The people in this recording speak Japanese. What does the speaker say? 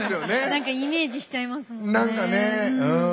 なんかイメージしちゃいますもんね。